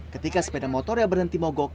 ketika sepeda motor yang berhenti mogok